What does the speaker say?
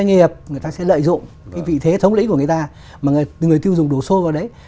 nhưng mà người tiêu dùng đổ xôi vào đấy